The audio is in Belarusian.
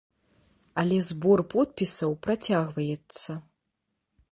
Але збор подпісаў працягваецца.